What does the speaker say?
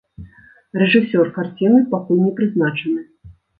Рэжысёр карціны пакуль не прызначаны.